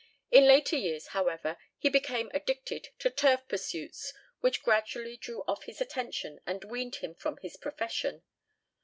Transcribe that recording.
In later years, however, he became addicted to turf pursuits, which gradually drew off his attention and weaned him from his profession.